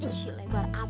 makasih banyak ya kak